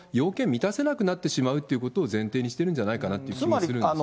満たせなくなってしまうということを前提にしてるんじゃないかなって気もするんですよね。